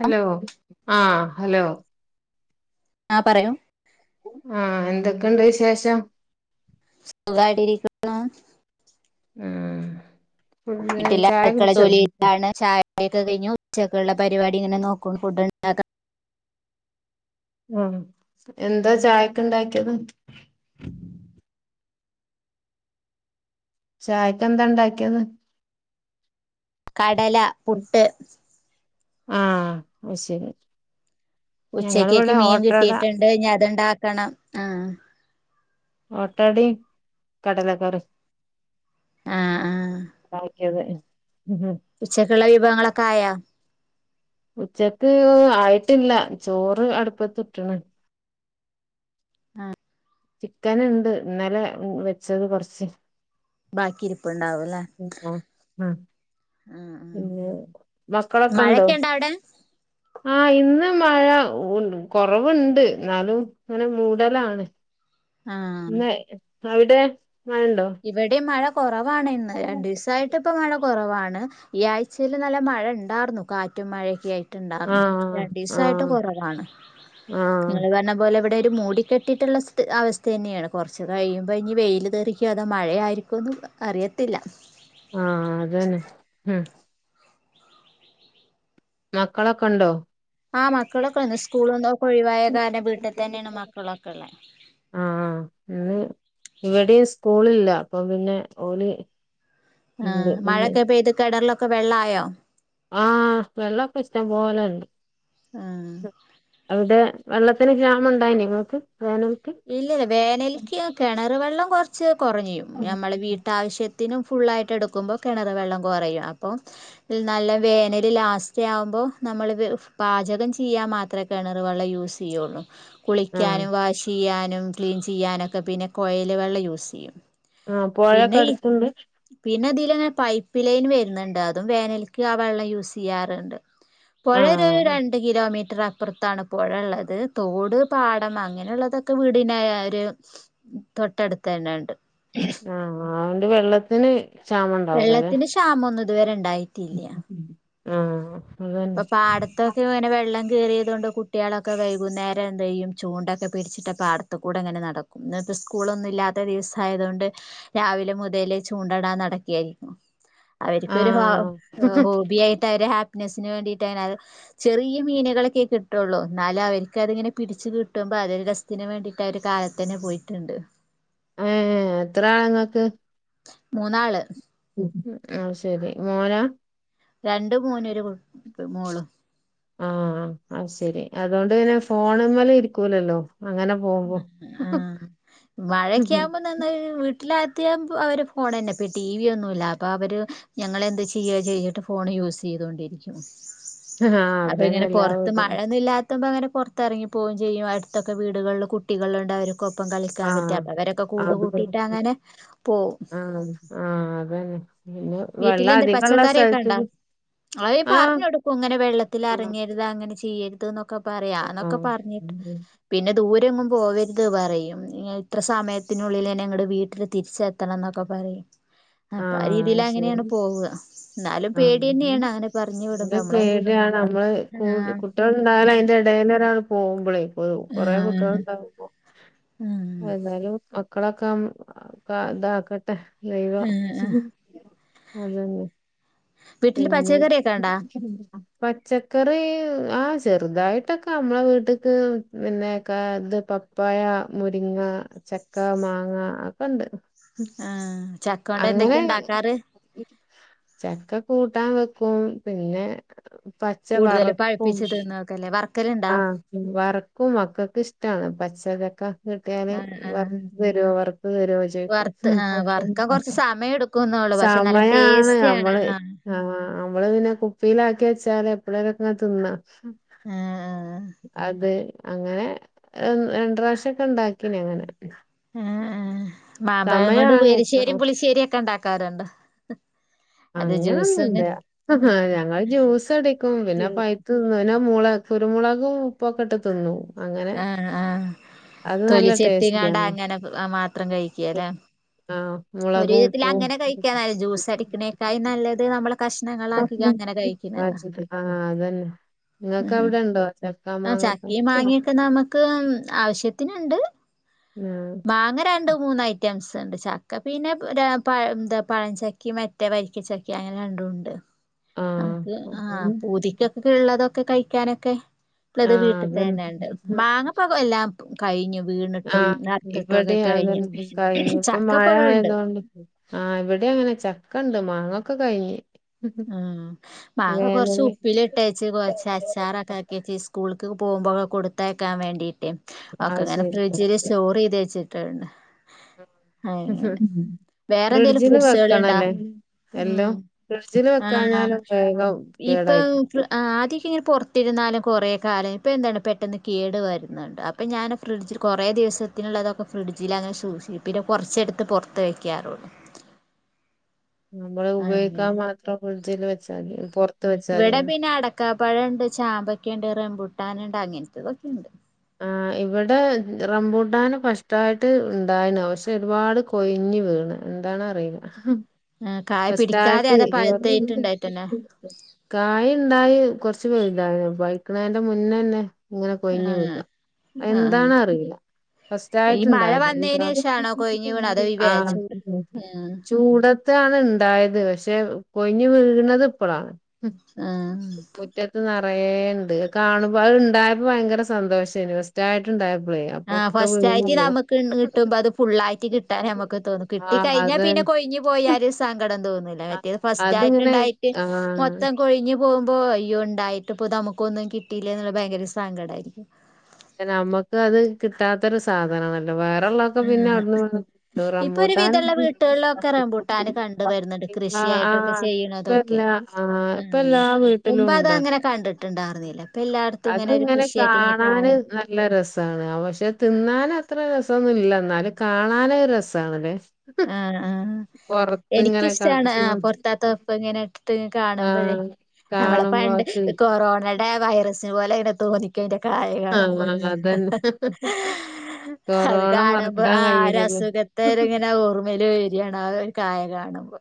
Hello ആഹ് hello ആഹ് പറയൂ ആഹ് എന്തൊക്കെണ്ട് വിശേഷം? സുഖായിട്ട് ഇരിക്കുന്നു ഉം പിന്നെ ഛായ കുടിച്ചോ? ഛായുടി ഒക്കെ കഴിഞ്ഞു ഉച്ചക്കുള്ള പരിപാടിങ്ങനെ നോക്കും ഫുഡ്ണ്ടാക്ക ഉം എന്താ ഛായക്ക് ഇണ്ടാക്കിയത്? ഛായക്ക് എന്താ ഇണ്ടാക്കിയേത്? കടല പുട്ട് ആഹ് അയ് ശരി ഞങ്ങള് ഇവടെ ഓട്ടട ഇത് കയ്ഞ്ഞ അത്ണ്ടാക്കണം ആഹ് ഓട്ടടീം കടലക്കറീം ആഹ് ആഹ് [unintelligible] ഉച്ചക്കുള്ള വിഭവങ്ങളൊക്കെ ആയൊ? ഉച്ചക്ക് ആയിട്ടില്ല ചോറ് അടുപ്പത്ത് ഇട്ട്ണ് ആഹ് ചിക്കന്ണ്ട് ഇന്നലെ വെച്ചത് കൊറച്ച് ബാക്കി ഇരിപ്പുണ്ടാവും അല്ലേ ഉം ആഹ് അ ആ ആ പിന്നെ മക്കളൊക്കെണ്ടോ? മഴയൊക്കെ ഉണ്ടോ അവിടെ ആഹ് ഇന്ന് മഴ വുണ്ട് കൊറവുണ്ട് ന്നാലും അങ്ങനെ മൂടലാണ് ആ ഇന്ന് അവിടെ മഴണ്ടോ? ഇവിടീം മഴ കൊറവാണിന്ന് രണ്ടു ദീസായി ട്ട് പ്പൊ മഴ കുറവാണ് ഈ ആഴ്ചയിൽ നല്ല മഴ ഇണ്ടാർന്നു കാറ്റും മഴയൊക്കെ ആയി ട്ട് ണ്ടാർന്നു ആഹ് രണ്ടീസായിട്ട് ആഹ് കൊറവാണ് ആഹ് നിങ്ങള് പറഞ്ഞ പോലെ ഇവിടൊരു മൂടി കെട്ടിട്ടുള്ളസ്ഥ അവസ്ഥ തന്നേണ് കൊറച്ച് കഴിയുമ്പോ ഇഞ്ഞി വെയില്തെറി ക്കോ അതോ മഴയായിരിക്കോന്ന് അറിയത്തില്ല ആഹ് അത്അന്നെ ഉം മക്കളൊക്കെണ്ടോ? ആഹ് മക്കളൊക്കെ വന്നു സ്കൂള്ന്നൊ ഒഴിവായ കാരണം വീട്ടിത്തന്നെയാണ് മക്കളൊക്കെ ഉള്ളെ ആഹ് ഇന്ന് ഇവടീം സ്കൂളില്ല അപ്പൊ പിന്നെ ഓല് ആഹ് ഇണ്ട് മഴൊക്കെ പെയ്ത് കെണറിലൊക്കെ വെള്ളായോ? ആഹ് വെള്ളപ്പൊ ഇഷ്ടം പോലണ്ട് ആഹ് അവിടെ വെള്ളത്തിന് ക്ഷാമം ഉണ്ടായിന ങ്ങക്ക് വേനൽക്ക് ഇല്ലല്ല വേനൽക്കീ കെണറ് വെള്ളം കൊറച്ച് കൊറയും ഞമ്മള് വീട്ടാവശ്യ ത്തിനും ഫുള്ളായിട്ട് എടുക്കുമ്പൊ കിണറ് വെള്ളം കൊറയും അപ്പൊ തിൽ നല്ല വേനല് ലാസ്റ്റ് ആവുമ്പൊ നമ്മള് വി പാചകം ചിയ്യാൻ മാത്രേ കിണർ വെള്ള യൂസ് ചെയ്യുള്ളു ആഹ് കുളിക്കാനും വാഷ് ചെയ്യാനും ക്ലീൻ ചെയ്യാനൊക്കെ പിന്നെ കോയൽ വെള്ളം യൂസ് ചെയ്യും ആഹ് പുഴയൊക്കെ പിന്നെ ഈ അടുത്തുണ്ട് പിന്നെ തിലങ്ങനെ പൈപ്പ് ലൈൻ വരുന്നുണ്ട് അതും വേനൽക്ക് ആ വെള്ളം യൂസ് ചെയ്യാറുണ്ട് [inaudible] പുഴ ഒരു ആഹ് രണ്ട് കിലോമീറ്റർ അപ്പുറത്താണ് പുഴ ഉള്ളത് തോട് പാടം അങ്ങനെയുള്ളതൊക്കെ ഒക്കെ വീടിന ഒരു തൊട്ടടുത്ത തന്നെയണ്ട് ആഹ ആണ്ട് വെള്ളത്തിന് ക്ഷാമം ഉണ്ടാവൂലല്ലേ വെള്ളത്തിന് ക്ഷാമം ഒന്നും ഇതുവരെ ഉണ്ടായിട്ടില്ല ആഹ് അതന്നെ ഇപ്പൊ പാടത് പാടത്തൊക്കെ ഇങ്ങനെ വെള്ളം കയറിയത് കൊണ്ട് കുട്ടികളൊക്കെ വൈകുന്നേരം എന്ത്‌ ചെയ്യും ചൂണ്ട ഒക്കെ പിടിച്ചിട്ട് പാടത്ത പാടത്തു കൂടെ ങ്ങനെ നടക്കും ഇന്ന് ഇപ്പോൾ സ്കൂളൊന്നും ഇല്ലാത്ത ദിവസ ആയതുകൊണ്ട് രാവിലെ മുതലേ ചൂണ്ടടാൻ നടക്കുകായിരിക്കും അവർക്കൊരു ഹോ ആഹ് ഹോബി ആയിട്ട് അവര് ഹാപ്പിനെസിന് വേണ്ടിയിട്ട് അ ചെറിയ മീനുകളൊക്കെ കിട്ടുള്ളൂ ന്നാല അവർക്ക്തിങ്ങനെ പിടിച്ച് കിട്ടുമ്പോ അതൊരു റെസ്‌ തിന് വേണ്ടിയിട്ട് അവര് കാലത്ത് തന്നെ പോയിട്ടുണ്ട് ഏഹ് എത്ര ആളങ്ങൾക്ക് മൂന്നാള് ആഹ് ശരി മോന രണ്ട് മോനും ഒരു മോളും ആഹ് അത്‌ ശെരി അതുകൊണ്ട് പിന്നെ ഫോൺമ്മലെ ഇരിക്കൂലല്ലോ അങ്ങനെ പോകുമ്പോ ആഹ് മഴ ഒക്കെ ആകുമ്പോൾ വീട്ടിലെത്തിയാ അവര് ഫോൺ തന്നെ ഇപ്പ ടി വി ഒന്നുംല്ല അപ്പൊ അവര് ഞങ്ങൾന്ത് ചെയ്യുകയോ ചെയ്തിട്ട് ഫോൺ യൂസ് ചെയ്തുകൊണ്ടിരിക്കും ആഹ് അപ്പൊ അതന്നെ ഇങ്ങനെ എല്ലാ പൊറത്ത് വീട്ടിലും മഴൊന്നുംല്ലാത്ത എത്തുമ്പം അങ്ങനെ പുറത്തിറങ്ങി പോവും ചെയ്യും അടുത്തൊക്കെ വീടുകളിൽ കുട്ടികൾ ഉണ്ട് അവരും ക്കൊപ്പം കളിക്കാൻ പറ്റാ ആഹ് അപ്പൊ അവരൊക്കെ കൂട് ആഹ് കൂട്ടിട്ട് അങ്ങനെ പോവും ആഹ് ആഹ് അതന്നെ പിന്നെ വീട്ടിൽ വെള്ളം എന്താ അധികള്ള പച്ചക്കറിയൊക്കെ ണ്ടാ സ്ഥലത്ത്ക്ക് അയ് ആഹ് പറഞ്ഞ് കൊടുക്കും ഇങ്ങനെ വെള്ളത്തിൽ ആഹ് അറങ്ങരുത് അങ്ങനെ ചെയ്യരുത് എന്നൊക്കെ പറയാ അതൊക്കെ ആഹ് പറഞ്ഞിട്ട് പിന്നെ ദൂരെങ്ങും പോവർത് ഇത് പറയും ഇത്ര സമയത്തിനുള്ളിൽ ന്നെ വീട്ടില് തിരിച്ചെത്തണം എന്നൊക്കെ പറയും അപ്പ ഈ തിൽ ആഹ് അങ്ങനെയാണ് ശരി പോവുക എന്നാലും പേടി ആഹ് തന്നെയാണ് അങ്ങനെ പറഞ്ഞു വിടുമ്പോ നമ്മളെ കുട്ടികൾ ഉണ്ടായാൽ അതിന്റെ ഇടയിലൊരാൾ പോകുമ്പോളേ ഇപ്പൊ കൊറെ കുട്ടികൾ ആഹ് ഉണ്ടാവുമ്പ ആഹ് എന്നാലും മക്കളൊക്കെ കാക്കട്ടെ ദൈവം ആഹ് ആഹ് അതന്നെ വീട്ടില് പിന്നെ പച്ചക്കറിയൊക്കെ ഉണ്ടാ പച്ചക്കറി ആഹ് ചെറുതായിട്ടൊക്കെ നമ്മളെ വീട്ട്ക്ക് പിന്നെ ക ത് പപ്പായ മുരിങ്ങ ചക്ക മാങ്ങ അതൊക്കെ ണ്ട് ആഹ് ചക്ക കൊണ്ട് അങ്ങനെ എന്തൊക്കെയാ ഉണ്ടാക്കാറ് ചക്ക കൂട്ടാൻ വെക്കും പിന്നെ പച്ച കൂടുതലും വറുക്കും പഴുപ്പിച്ച് തിന്നോക്കല്ലേ വറക്കലുണ്ടാ ആഹ് വയറക്കും മക്കക്ക് ഇഷ്ടാണ് പച്ച ചക്ക. കിട്ട്യാല് ആഹ് ആഹ് വറുത്തു തരോ വറുത്തു തര്യോ ചോയ്ക്കും. വറുത്ത് ആഹ് വറുക്കാൻ കൊറച്ച് സമയം എടുക്കുന്നൊള്ളു. പക്ഷെ നല്ല ടേസ്റ്റ് ആണ് നമ്മള് ആഹ്. ആഹ് നമ്മള് പിന്നെ കുപ്പീല് ആക്കി വെച്ചാല് എപ്ളേലൊക്കെ ഇങ്ങനെ തിന്ന. ആഹ് അതെ അങ്ങനെ രണ്ട് പ്രാവശ്യം ഒക്കെ ഇണ്ടാക്കീനി അങ്ങനെ ഏഹ്. ഏ മാമ്പഴം കൊണ്ട് സമയാണ് പെരിശ്ശേരിയും പുളിശ്ശേരി ഒക്കെ ഇണ്ടാക്കാറുണ്ടൊ. അങ്ങനൊന്നുല്ല. ആഹ് ഞങ്ങള് ജ്യൂസ് അടിക്കും പിന്നെ ജ്യൂ പ തിന്നും. പിന്നെ കുരുമുളകും ഉപ്പൊക്കെട്ട് തിന്നും അങ്ങനെ. ആഹ് ആഹ്. അത് നല്ല തൊലിച്ചെത്തിങ്ങാണ്ടാ ടേസ്റ്റിയാണ് അങ്ങനെ മാത്രം കഴിക്കലെ. ആഹ് ഒരു മുളകും വിധത്തിൽ അങ്ങനെ ഉപ്പും കഴിക്കാ നല്ലത്. ജ്യൂസ് അടിക്കണേക്കായി നല്ലത് നമ്മള്. കഷ്ണങ്ങളാക്കി അങ്ങനെ ആ കഴിക്കുന്നതാ ചിത് ആ അതന്നെ ഉം. നിങ്ങൾക്ക് ഉം അവിടെ ഉണ്ടോ ചക്ക ആ മാങ്ങൊക്കെ ചക്കിം ആ മാങ്ങ്യാെക്കെ നമക്ക് ആവശ്യത്തിന് ഇണ്ട്. ഉം മാങ്ങ രണ്ട് മൂന്ന് ഐറ്റംസ്ണ്ട് ച ക്ക പിന്നെ പഴചക്കിം എന്താ മറ്റെ വരിക്കച്ചക്ക അങ്ങനെ രണ്ടും ഇണ്ട്. ആ അൻക്ക്. ആഹ് പൂതിക്കൊക്കെ ഇള്ളതൊക്കെ കഴിക്കാനൊക്കെ ത്ള്ളത് ആ അതന്നെ വീട്ട്ത്തന്നെണ്ട്. മാങ്ങ ഇപ്പ എല്ലാം കഴിഞ്ഞു വീണിട്ടും നടുത്തിട്ടും ഒക്കെ ഇവിടിം അത കഴിഞ്ഞു [unintelligible] കഴിഞ്ഞപ്പം ചക്കപ്പഴം ഉണ്ട് മഴആയതോണ്ട്. ആഹ്. ഇവിടെ അങ്ങനെ ചക്ക ഉണ്ട് മാങ്ങൊക്കെ കഴിഞ്ഞ് ഉം മാങ്ങ കൊറച്ച് വേനല് ഉപ്പില് ഇട്ടേച്ച് കൊറ്ച്ച് അച്ചാറൊക്കെ ആക്ക്യച്ച് സ്കൂളൾക്ക് പോകുമ്പോ [unintelligible] കൊടുത്തയക്കാൻ വേണ്ടിയിട്ടെ. ഒക്കെ അത് ഇങ്ങനെ ശരി ഫ്രിജില് സ്റ്റോർ ചെയ്ത് വെച്ചിട്ട്ണ്ട് - വേറെ എന്തെലും ഫ്രിഡ്ജില് ഫ്രൂട്ട്സുകൾ ഇണ്ടാ വെക്കണല്ലെ എല്ലും. ഉം ഫ്രിഡ്ജില് വെക്കാഞ്ഞാലും വേഗം കേടായി. ആ ആദ്യാെക്കെ ഇങ്ങനെ പുറത്തിരുന്നാലും കൊറേ കാലം. ഇപ്പ എന്താണ് പെട്ടെന്ന് കേട് വരുന്നുണ്ട് അപ്പോം ഇപ്പം ഞാന് ഫ്രിഡ്ജിൽ കൊറേ ദിവസ ത്തിനുള്ളതൊക്ക ഫ്രിഡ്ജില് അങ്ങനെ സൂക്ഷിക്കും പിന്നെ കൊറച്ചെടുത്ത് പൊറത്ത് വയ്ക്കാറുള്ളൂ നമ്മള് ഉപയോഗിക്കാൻ അങ്ങനെ മാത്രം ഫ്രിഡ്ജില് വെച്ചാ മതി. പൊറ്ത്ത് വെച്ചാത്യല്ലോ ക പഴണ്ട്, ചാമ്പക്യണ്ട്, റംബുട്ടാന്ണ്ട് അങ്ങൻത്തെതൊക്കെ ഇണ്ട്. ആഹ് ഇവിടെ റംബൂട്ടാന് ഫസ്റ്റായിട്ട് ഇൻണ്ടായിണ്‌. പക്ഷെ ഒരുപാട് കൊയിഞ്ഞു വീണ്. എന്തണറീല്ല. ആഹ് കായ പിടിക്കാതെ ഫസ്റ്റായിട്ട് അതാ ഇവിടുന്നു പഴുത്തായിട്ടുണ്ടായിട്ടന്നെ [unintelligible] കായിണ്ടായി. കൊറച്ചു [unintelligible] ഇതായി വഴിക്കണതിന്റെ മുന്നെന്നെ ഇങ്ങനെ കൊയ്ഞ് വിക. ആഹ് ആഹ് എന്തണ് അറീല്ല. ഫസ്റ്റ് ഈ ആയിട്ട് മഴ ഇണ്ടായത വന്നതിന് ശേഷാണോ കൊഴിഞ്ഞ് വീണത് അതോ ഈ ആ വേ ചൂട് ആഹ് ചൂട ത്താണ് ഇണ്ടായത്. പക്ഷെ കൊയ്ഞ്ഞു വീണത് ഇപ്പളാണ്. ആഹ് മറ്റത്ത് നറയേ ഇണ്ട്. കാണുമ്പ അത് ഇണ്ടായപ്പോ ഭയങ്കര സന്തോഷേനി ഫസ്റ്റ്. ആ ഫസ്റ്റ് ആയിട്ട് പോവും നമുക്ക് കിട്ടുമ്പം അത് ഫുള്ളായിട്ട് കിട്ടാൻ നമ്മുക്ക് തോന്നും. കിട്ടി ആഹ് കഴിഞ്ഞാൽ അത് പിന്നെ കൊഴിഞ്ഞു പോയാല്. സങ്കടം തോന്നുല്ല ആ, മറ്റേത് ഫസ്റ്റ് ആയിട്ട് അതിങ്ങനെ ഇണ്ടായിട്ട് ആഹ് മൊത്തം കൊഴിഞ്ഞ പോകുമ്പോ അയ്യോ ഇണ്ടായിട്ട് ഇപ്പൊ നമുക്ക് ഒന്നും കിട്ടീല്ലെ എന്നുള്ള ഭയങ്കര സങ്കടായിരിക്കും. നമ്മക്ക് അത് കിട്ടാത്തരു സാധന നല്ല വേറെ ഇള്ളതൊക്കെ പിന്നെ ആഹ് ഔട്ന്നും ഇവട്ന്നും. ഇപ്പൊ ഒരു റംമ്പൂട്ടാന വിധള്ള ഉം വീട്ടുകളിലൊക്കെ റംബൂട്ടാന് കണ്ട് വരുന്നുണ്ട് അതെ ആഹ് കൃഷിയായിട്ടൊക്കെ ആഹ് ഇപ്പൊ ചെയ്യണതൊക്കെ. എല്ലാ ആഹ് ഇപ്പൊ എല്ലാ വീട്ടി മുമ്പ് അത് അങ്ങനെ കണ്ടിട്ടുണ്ടായിരുന്നില്ല, ഇപ്പൊ എല്ലായിടത്തും ഇങ്ങനെ ഒരു കൃഷിയായിട്ട് ഇങ്ങനെ കാണു ഇത് നല്ല രസമാണ്, പക്ഷെ തിന്നാൻ അത്ര രസം ഒന്നുമില്ല അന്നാലും കാണാനൊരു രസമാണ് അല്ലേ. ആഹ് ആഹ് എനിക്കിഷ്ടാണ് കാണിച്ച് ആഹ് പൊറത്തൊക്കെ ഇപ്പൊ ഇങ്ങനെ ഒക്കെ. ത്ത് കാണുമ്പോഴേ ആഹ് നമ്മള് ഇപ്പോ കാണുമ്പോ പണ്ട് അത് കൊറോണയുടെ വൈറസ് പോലെയാണ് തോന്നി. എനിക്ക് അയിന്റെ കായ കാണുമ്പോൾ. ആഹ് അതന്നെ അത് കൊറോണ കാണുമ്പോ മറക്കാൻ ആഹ് ഒരു കഴിയൂലല്ലോ അസുഖത്ത് ഇങ്ങനെ. ഇത് ആഹ് ഓർമ്മയില് വരിയാണ് ആഹ് ഒരു കായ കാണുമ്പോ.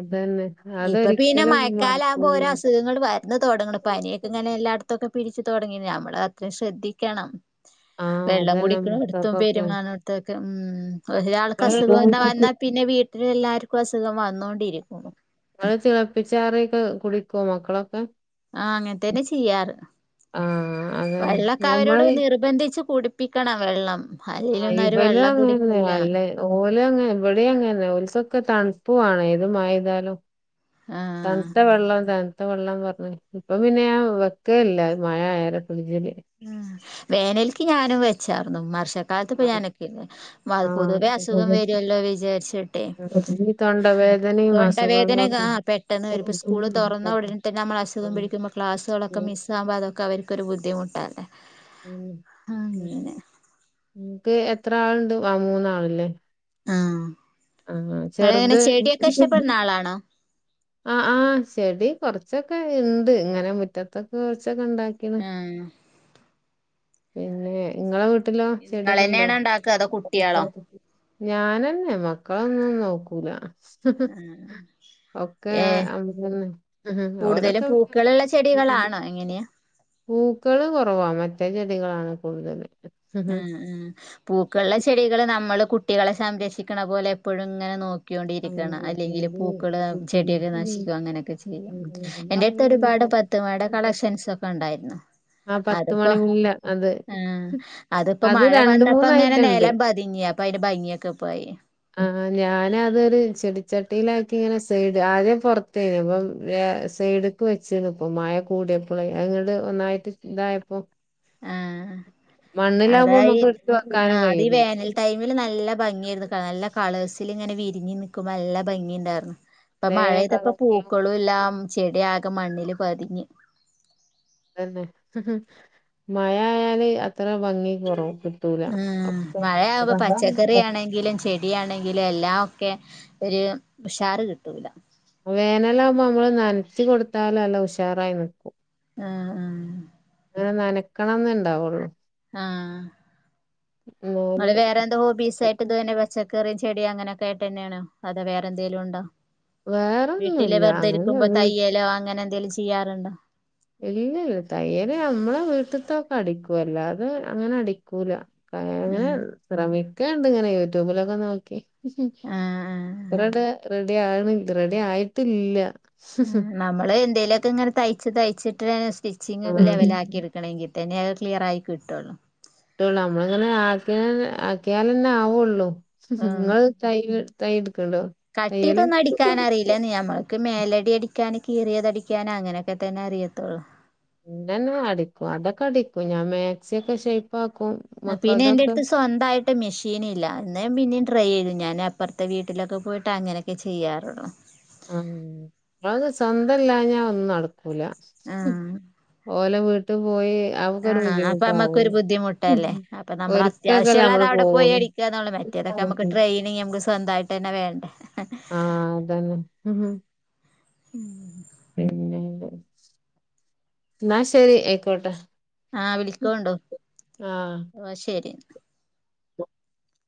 അതെന്നെ. ഇപ്പൊ പിന്നെ മഴക്കാലം ആവുമ്പോ ഓരോ അസുഖങ്ങൾ വരും. വന്ന് തൊടങ്ങുന്നു പനിയൊക്കെ ഇങ്ങനെ എല്ലായിടത്തും ഒക്കെ പിടിച്ച് തൊടങ്ങി, നമ്മള് അത്രയും ശ്രദ്ധിക്കണം. ആഹ് വെള്ളം അതന്നെ കുടിക്കണം എടുത്തും മക്കൾക്കൊക്കെ പെരുമാറണം. ഇതൊക്കെ ഉം ഒരാൾക്ക് ഇങ്ങള് അസുഖം തന്നെ വന്നാൽ പിന്നെ വീട്ടി ട്ടില് എല്ലാവർക്കും അസുഖം വന്നൊണ്ടിരിക്കും. നിങ്ങള് തിളപ്പിച്ചാറിയൊക്കെ കുടിക്കുവോ മക്കളൊക്കെ? ആഹ് അങ്ങനെ തന്നെ ചെയ്യാറ്, ആഹ് അതന്നെ വെള്ളം ഒക്കെ അവരോട് ഞമ്മള് നിർബന്ധിച്ച് കുടി പ്പിക്കണം വെള്ളം. ആഹ് അല്ലേലൊന്നും അവര് ഇവനും വെള്ളം അങ്ങനെ കുടിക്കൂല തന്നെയാ അല്ലേ. ഓല് അങ്ങനെ ഇവിടെയും അങ്ങനെ ഓലുക്ക് ഒക്കെ തണുപ്പുവാണ്, ഏത് മഴ പെയ്താലും. ആഹ് തണുത്ത വെള്ളം തണുത്ത വെള്ളം എന്ന് പറഞ്ഞു. ഇപ്പം പിന്നെ ആഹ് വെക്കല്ല മഴ ആയാലേ ഫ്രിഡ്ജില്. ഉം വേനൽക്ക് ഞാനും വെച്ചായിരുന്നു. [unintelligible] മഴക്കാലത്ത് ഞാൻ അനക്കില്ല, വൽ പൊതുവേ അസുഖം ആഹ് വരുവല്ലോ വിചാരിച്ചിട്ടേ. ഈ ആഹ് അതോണ്ടാ തൊണ്ടവേദനയും തൊണ്ടവേദന കാ അസുഖങ്ങളൊക്കെ പെട്ടെന്ന് വരും, ഇപ്പ സ്കൂള് തൊറന്ന് ഉടനെ. ഇപ്പൊ നമ്മള് അസുഖം പിടിക്കുമ്പോ ക്ലാസ്സുകളൊക്കെ മിസ്സ്‌ ആവാതെ അവർക്ക് ഒരു ബുദ്ധിമുട്ടല്ലേ. ഉം ആ, ഉം ഉം അങ്ങനെ നിങ്ങൾക്ക് എത്ര ആളുണ്ട് ആഹ് മൂന്നാളല്ലേ. ആഹ് ആഹ് നിങ്ങളെങ്ങനെ ചെറുത്. ചെടിയൊക്കെ ഇഷ്ടപ്പെടുന്ന [unintelligible] ആളാണോ ആഹ് ആഹ് ചെടി കൊറച്ചൊക്കെ ഇണ്ട് ഇങ്ങനെ മുറ്റത്തൊക്കെ കൊറച്ചൊക്കെ ഇണ്ടാക്കി. കിണ് ആഹ് പിന്നെ ഇങ്ങളെ വീട്ടിലോ? ചെടിയൊക്കെ ഉണ്ടോ, നിങ്ങളെന്നെയാണോ ഉണ്ടാക്കുക അതോ കുട്ടികളോ [inaudible] ഞാന് തന്നെ മക്കളൊന്നും നോക്കൂല. ആഹ് ഒക്കെ ഏഹ് അമ്മന്നെ കൂടുതലും ഓലൊക്കെ പൂക്കളുള്ള പിന്നെ ചെടികളാണോ എങ്ങനെയാ? പൂക്കള് കൊറവാ മറ്റേ ചെടികളാണ് കൂടുതൽ. ഉം ഉം പൂക്കുള്ള ചെടികള് നമ്മള് കുട്ടികളെ സംരക്ഷിക്കേണ് പോലെ എപ്പൊഴും ഇങ്ങനെ നോ അത് ക്കിയോണ്ടിരിക്കണം അല്ലെങ്കില് പൂക്കള് ചെടിയൊക്കെ നശിക്കും അങ്ങനെയൊക്കെ ചെയ്യും, അത് എന്റെ അടുത്ത് നമ്മള് ഒരുപാട്. ത്തുമ്മാടെ കളക്ഷൻസ് ഒക്കെ ഒണ്ടായിരുന്നു, ആ അത് പത്ത് ഇപ്പൊ മണി മുല്ല അത് ആഹ്. അതിപ്പോ അത് മഴ രണ്ട് വന്നപ്പോൾ ഇങ്ങനെ മൂന്നായിട്ടുണ്ട് നിലം പതുങ്ങി അപ്പം അയിന്റെ ഭംഗിയൊക്കെ പോയി. ആഹ് ഞാനത്. ത് ചെടിച്ചട്ടിയിലാക്കി ഇങ്ങനെ സൈഡ് ആദ്യ പുറത്തേ അപ്പം ഏഹ് സൈഡ്. ക്കു വെച്ചിരുന്നു, അപ്പൊ മഴ കൂടിയപ്പഴേ അങ്ങട് ഒന്നായിട്ട് ഇതായപ്പോ. ആഹ് മണ്ണിൽ അതാ ആവുമ്പോൾ നമുക്ക് എടുത്ത് വെക്കാനും കഴിയുള്ളൂ. ഇതില് നല്ല ഭംഗിയായിരുന്നു പല കളഴ്സിൽ ഇങ്ങനെ വിരിഞ്ഞ് നിക്കുമ്പോ നല്ല ഭംഗി ഇണ്ടായിരുന്നു. ഇപ്പൊ പലേ മഴപെയ്തപ്പോൾ കളറിലും പൂക്കൾ എല്ലാ ചെടിയാകെ മണ്ണില് പതിഞ്ഞു. തന്നെ മഴ ആയാല് അത്ര ഭംഗി കുറവും. ആഹ് മഴയാവുമ്പോ പച്ചക്കറി ആണെങ്കിലും ചെടി - ടി ആണെങ്കില് എല്ലാം ഒക്കെ ഒരു ഉഷാറ് കിട്ടൂല്ല വേനലാവുമ്പോ നമ്മള് നനച്ച് കൊടുത്താല് നല്ല ഉഷാറായി നിക്കും ആഹ് ആഹ് അങ്ങനെ നനക്കണം എന്നു ഉണ്ടാവുള്ളു ആഹ് എന്നാല് നിങ്ങള് വേറെ എന്തോ ഹോബീസ് ഏറ്റത് [unintelligible] തന്നെ ഹോ പച്ചക്കറിയും ചെടിയും അങ്ങനൊക്കെ തന്നെയാണോ അതൊ വേറെ എന്തേലും ഒണ്ടോ വീട്ടില് വേറൊന്നുല്ല വെറുതെ അങ്ങനെ ഇരിക്കുമ്പോ തയ്യലോ അങ്ങനെ എന്തേലും ചെയ്യാറൊണ്ടോ ഏയ് തയ്യല് അമ്മള് വീട്ടിത്തൊക്കെ അടിക്കും അല്ലാതെ അങ്ങനെ അടിക്കൂല അങ്ങനെ ഉം ശ്രമിക്കണ്ട് ഇങ്ങനെ യൂട്യൂബിലൊക്കെ നോക്കി ആഹ് ആഹ് ഇതുവരെ റെഡിയായിരു റെഡി ആയിട്ടില്ല ഉം നമ്മള് എന്തേലു ഒക്കെ ഇങ്ങനെ തയ്ച്ച് തയ്ച്ചിട്ട് സ്റ്റിച്ചിങ്ങ് ഒക്കെ ആഹ് ലെവലാക്കി എടുക്കണം വക്കണെങ്കി തന്നെ അത് ക്ലിയറായി കിട്ടോള്ളൂ ട്ടോള്ളൂ നമ്മള് ഇങ്ങനെ ആക്കിയാ ആക്കിയാൽ തന്നെ ആവുള്ളൂ നിങ്ങള്- തയ്യ് [unintelligible] തയ് എടുക്കുണ്ടോ കട്ട് ചെയ്ത് ഒന്ന് അടി - എനിക്ക് അങ്ങനെ അറിയില്ലാന്ന് ഞാൻ പറയും എനിക്ക് മേലഡി അടിക്കാന് കീറിയത് അടിക്കാന് അങ്ങനെയൊക്കെ തന്നെ അറിയത്തൊള്ളൂ എന്റെ തന്നെ അടിക്കും അതൊക്കെ അടിക്കും ഞാൻ മാക്സിയൊക്കെ ഷേപ്പ് ആക്കും ആ ഹ് പിന്നെ എന്റെ അടുത്ത് സ്വന്തായിട്ട്- ട്ട് മെഷീനില്ല അന്നേ പിന്നേം ട്രൈ ചെയ്തു ഞാന് അപ്പുറത്തെ വീട്ടിലൊക്കെ പോയിട്ട് അങ്ങനൊക്കെ ചെയ്യാറുള്ളു ഉം അത് സ്വന്തം അല്ലാഞ്ഞാ ഒന്നും നടക്കൂല ആഹ് ഓല വീട് - ട്ട് പോയി അവക്കൊരു ആഹ് അപ്പൊ നമ്മക്കൊരു ബുദ്ധിമുട്ടാവൂലേ ബുദ്ധിമുട്ടല്ലേ ഒരിക്കെക്കയല്ലേ നമ്മള് പോകുള്ളൂ ള [unintelligible] ഇതൊക്കെ നമുക്ക് ട്രെയിനിങ് നമുക്ക് സ്വന്തമായിട്ട് തന്നെ വേണ്ടേ ആഹ് അത് തന്നെ ഉം [inaudible] പിന്നെ എന്നാ ശരി ആയിക്കോട്ടെ ആഹ് വിളിക്കണുണ്ടോ ആ ആ ശരി